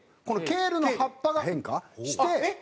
このケールの葉っぱが変化して。